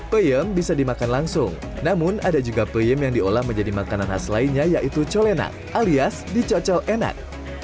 peyem bisa dimakan langsung namun ada juga peyem yang diolah menjadi makanan khas lainnya yaitu colenak alias dicocol enak